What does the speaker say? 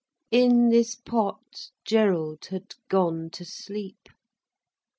In this pot Gerald had gone to sleep.